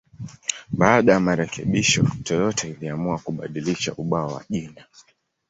Baada ya marekebisho, Toyota iliamua kubadilisha ubao wa jina.